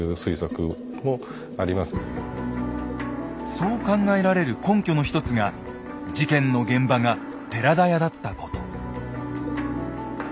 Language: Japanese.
そう考えられる根拠の一つが事件の現場が寺田屋だったこと。